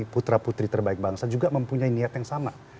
putra putri terbaik bangsa juga mempunyai niat yang sama